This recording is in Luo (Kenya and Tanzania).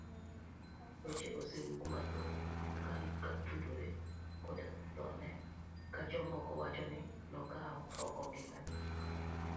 Weche osewuok mathoth kotudore koda thone ka jomoko wacho ni nokawo oko ngimane.